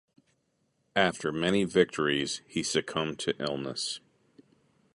After many victories, he succumbed to illness.